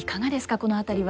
この辺りは。